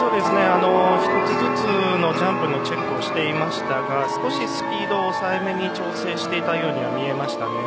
一つずつのジャンプのチェックをしていましたが少しスピードを抑えめに調整していたようには見えましたね。